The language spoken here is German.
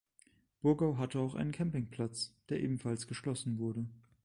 Burgau hatte auch einen Campingplatz, der ebenfalls geschlossen wurde.